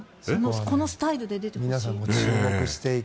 このスタイルで出てほしい。